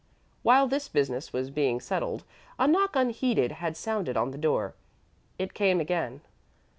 While this business was being settled, a knock unheeded had sounded on the door. It came again.